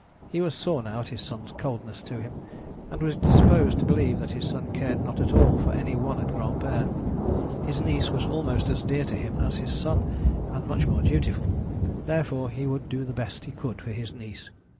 He was sore now at his son's coldness to him, and was disposed to believe that his son cared not at all for any one at Granpere. His niece was almost as dear to him as his son, and much more dutiful. Therefore he would do the best he could for his niece.